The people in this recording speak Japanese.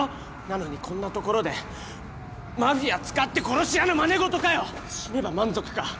なのにこんなところでマフィア使って殺し屋のまねごとかよ死ねば満足か？